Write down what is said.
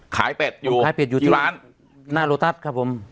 เป็ดอยู่ขายเป็ดอยู่ที่ร้านหน้าโลตัสครับผม